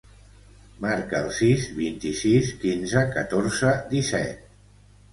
Marca el sis, vint-i-sis, quinze, catorze, disset.